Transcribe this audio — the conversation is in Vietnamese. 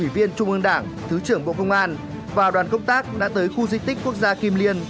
ủy viên trung ương đảng thứ trưởng bộ công an và đoàn công tác đã tới khu di tích quốc gia kim liên